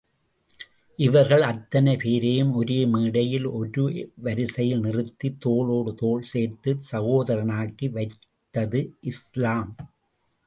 இவர்கள் அத்தனை பேரையும் ஒரு மேடையில், ஒரு வரிசையில் நிறுத்தித் தோளோடு தோள் சேர்த்துச் சகோதரனாக்கி வைத்தது இஸ்லாம்.